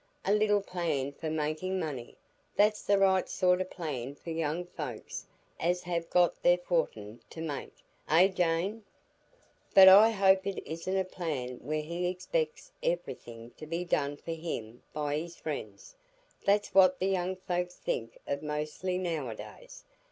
A little plan for making money; that's the right sort o' plan for young folks as have got their fortin to make, eh, Jane?" "But I hope it isn't a plan where he expects iverything to be done for him by his friends; that's what the young folks think of mostly nowadays.